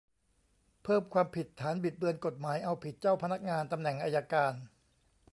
เพิ่มความผิดฐานบิดเบือนกฎหมาย เอาผิดเจ้าพนักงานตำแหน่งอัยการ